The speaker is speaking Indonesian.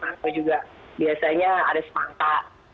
atau juga biasanya ada sepangka